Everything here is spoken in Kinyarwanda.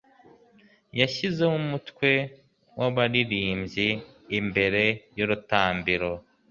yashyizeho umutwe w'abaririmbyi imbere y'urutambiro